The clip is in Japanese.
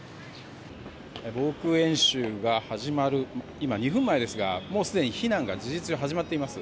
防空演習が始まる２分前ですがもうすでに避難が事実上、始まっています。